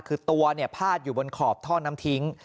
คือตัวเนี่ยพาดอยู่บนขอบท่อน้ำทิ้ง